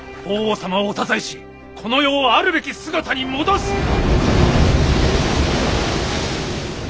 法皇様をお支えしこの世をあるべき姿に戻す！